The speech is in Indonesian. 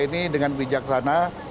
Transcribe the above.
ini dengan bijaksana